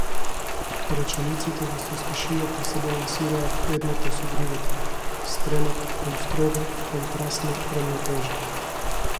Речениците во состишјата се балансираат едната со другата, стремат кон строга, контрастна рамнотежа.